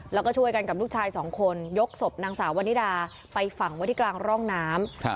แล้วก็ช่วยกันกับลูกชายสองคนยกศพนางสาววันนิดาไปฝังไว้ที่กลางร่องน้ำ